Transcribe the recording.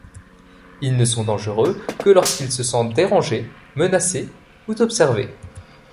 Ils ne sont dangereux que lorsqu'ils se sentent dérangés, menacés ou observés.